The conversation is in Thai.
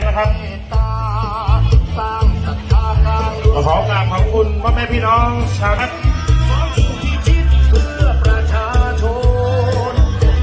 คริมนะครับขอขอบคุณเพราะแม่พี่น้องชาวนั้น